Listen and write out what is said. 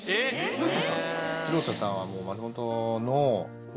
廣田さん？